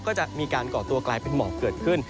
ก็จะมีการก่อตัวกลายเป็นหมอกเกิดขึ้น